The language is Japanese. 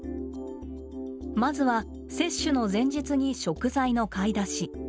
まずは接種の前日に食材の買い出し。